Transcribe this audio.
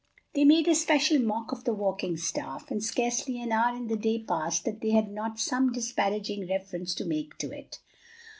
They made a special mock of the walking staff, and scarcely an hour in the day passed that they had not some disparaging reference to make to it.